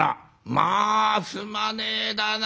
まあすまねえだな。